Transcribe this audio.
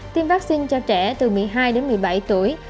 tiêm vaccine cho trẻ từ một mươi hai đến một mươi bảy tuổi